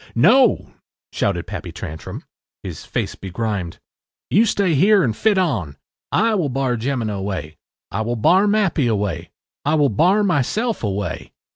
” “No,” shouted Pappy Tantrum, his face begrimed. “You stay here and fit on. I will bar Jemina away. I will bar Mappy away. I will bar myself away.